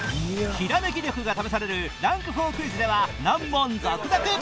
ひらめき力が試されるランク４クイズでは難問続々！